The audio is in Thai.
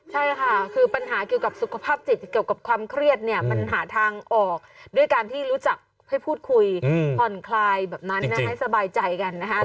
ใช่ค่ะคือปัญหาเกี่ยวกับสุขภาพจิตเกี่ยวกับความเครียดเนี่ยมันหาทางออกด้วยการที่รู้จักให้พูดคุยผ่อนคลายแบบนั้นนะให้สบายใจกันนะฮะ